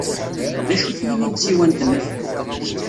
D acu-t yini n tsiwant-nnek?